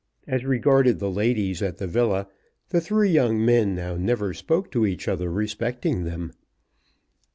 As regarded the ladies at the villa the three young men now never spoke to each other respecting them.